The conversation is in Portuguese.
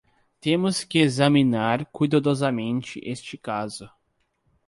Temos que examinar cuidadosamente este caso.